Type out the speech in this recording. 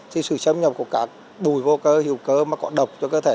thì sự xâm nhập của các bùi vô cơ hiệu cơ mà có độc cho cơ thể